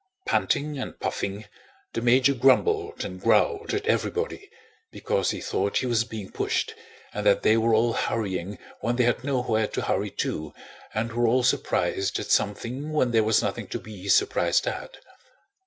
Panting and puffing, the major grumbled and growled at everybody because he thought he was being pushed and that they were all hurrying when they had nowhere to hurry to and were all surprised at something when there was nothing to be surprised at.